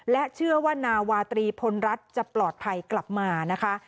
และเชื่อว่านาวาตรีพลรัฐจะปลอดภัยกลับมานะคะ